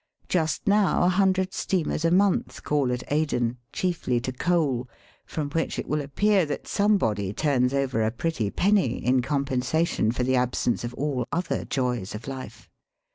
Just now a hundred steamers a month call at Aden, chiefly to coal, from which it will appear that somebody turns over a pretty penny in com pensation for the absence of all other joys of Ufe.